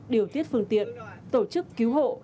điều tiết phương tiện tổ chức cứu hộ